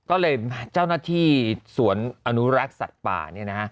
ก็เลยเจ้าหน้าที่สวนอนุรักษ์สัตว์ป่า